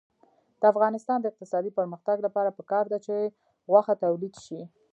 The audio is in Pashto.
د افغانستان د اقتصادي پرمختګ لپاره پکار ده چې غوښه تولید شي.